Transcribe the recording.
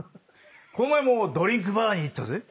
この前もドリンクバーに行ったぜ。